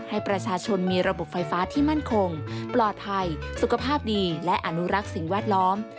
ให้ประชาชนมีระบบไฟฟ้าที่มั่นคงปลอดภัยสุขภาพดีและอนุรักษ์สิ่งแวดล้อม